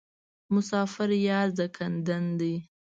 مسافر یار ځانکدن دی.